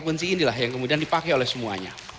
kuncinya yang kemudian dipakai oleh semuanya